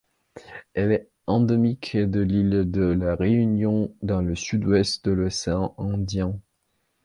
Elle est endémique de l'île de La Réunion, dans le sud-ouest de l'océan Indien.